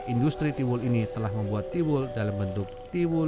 industri tiwul ini telah membuat tiwul dalam bentuk tiwul